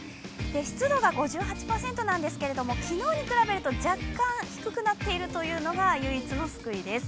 湿度が５８％なんですけれども、昨日に比べると若干低くなっているというのが、唯一の救いです。